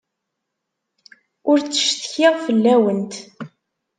Ur ttcetkiɣ fell-awen.